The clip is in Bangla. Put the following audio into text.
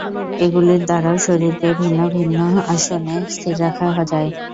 এগুলির দ্বারাও শরীরকে ভিন্ন ভিন্ন আসনে স্থির রাখা যায়।